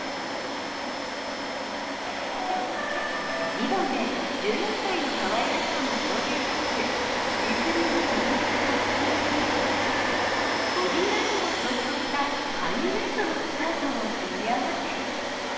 リボンで１４歳のかわいらしさも表現しつつシースルーも取り入れたトップスにボディラインを強調したハイウエストのスカートを組み合わせ。